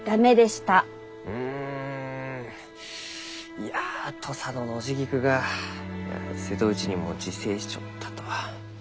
いや土佐のノジギクが瀬戸内にも自生しちょったとは。